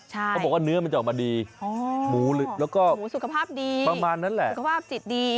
ก็บอกว่าเนื้อมันจะออกมาดีหมูสุขภาพฟังมานั้นแหละสุขภาพจิตดี